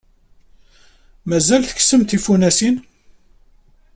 Mazal tkessem tifunasin?